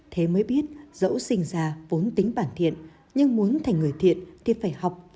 thế mới biết dẫu sinh ra vốn tính bản thiện nhưng muốn thành người thiện thì phải học